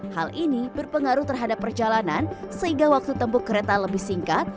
hal ini berpengaruh terhadap perjalanan sehingga waktu tempuh kereta lebih singkat